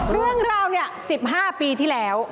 เรื่องราวเนี่ย๑๕ปีที่แล้ว